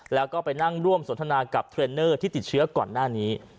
แล้วก็ไปนั่งร่วมสนทนากับเทรนเนอร์ที่ติดเชื้อก่อนหน้านี้